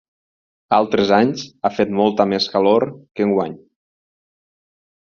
Altres anys ha fet molta més calor que enguany.